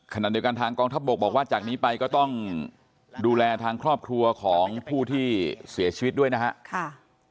ขณะเดียวกันทางกองทัพบกบอกว่าจากนี้ไปก็ต้องดูแลทางครอบครัวของผู้ที่เสียชีวิตด้วยนะครับ